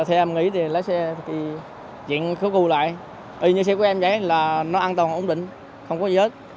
thế em nghĩ thì lái xe thì chuyển khúc cu lại y như xe của em đấy là nó an toàn ổn định không có gì hết